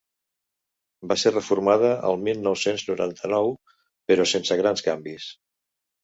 Va ser reformada el mil nou-cents noranta-nou però sense grans canvis.